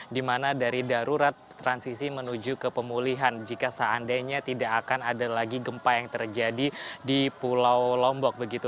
di mana dari darurat transisi menuju ke pemulihan jika seandainya tidak akan ada lagi gempa yang terjadi di pulau lombok begitu